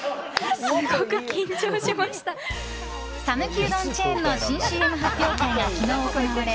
讃岐うどんチェーンの新ＣＭ発表会が昨日行われ